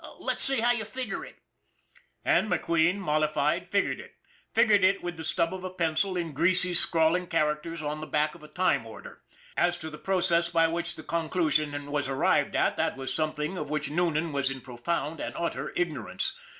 Let's see how you figure it." And McQueen, mollified, figured it. Figured it with the stub of a pencil in greasy, scrawling char acters on the back of a time order. As to the pro cess by which the conclusion was arrived at, that was something of which Noonan was in profound and utter ignorance.